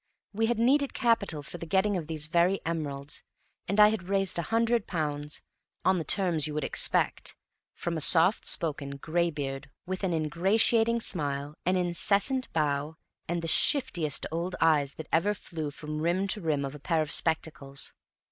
We had needed capital for the getting of these very emeralds, and I had raised a hundred pounds, on the terms you would expect, from a soft spoken graybeard with an ingratiating smile, an incessant bow, and the shiftiest old eyes that ever flew from rim to rim of a pair of spectacles.